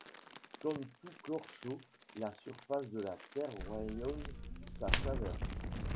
Comme tout corps chaud, la surface de la Terre rayonne sa chaleur.